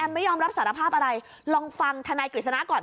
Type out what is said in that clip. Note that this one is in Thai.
ไม่ยอมรับสารภาพอะไรลองฟังธนายกฤษณะก่อน